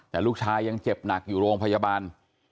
แต่ลูกชายยังเจ็บหนักอยู่โรงพยาบาล